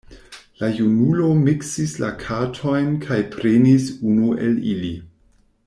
La junulo miksis la kartojn kaj prenis unu el ili.